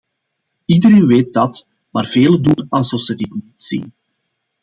Iedereen weet dat, maar velen doen alsof ze dit niet zien.